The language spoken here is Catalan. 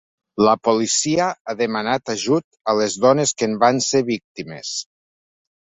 La policia ha demanat ajut a les dones que en van ser víctimes.